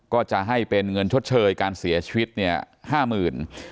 ก็จะให้เป็นเงินชดเชยการเสียชีวิตเนี่ย๕๐๐๐บาท